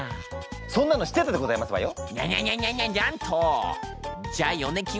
そんなの知ってたでございますわよ！